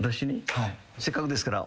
せっかくですから。